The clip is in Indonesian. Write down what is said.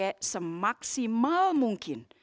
saya pakai semaksimal mungkin